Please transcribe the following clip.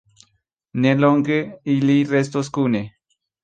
Ne longe ili restos kune.